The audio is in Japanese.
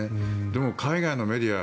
でも、海外のメディア